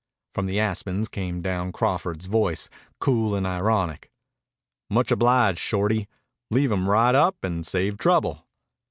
From the aspens came down Crawford's voice, cool and ironic. "Much obliged, Shorty. Leave 'em right up and save trouble."